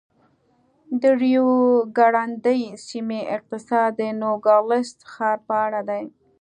د ریو ګرنډي سیمې اقتصاد د نوګالس ښار په اړه دی.